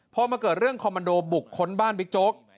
พอมาเกิดเรื่องคอมมันโดบุกค้นบ้านบิ๊กโจ๊ก